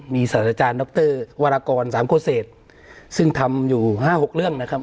มีสาธารณ์ดรวรกร๓โฆเซศซึ่งทำอยู่๕๖เรื่องนะครับ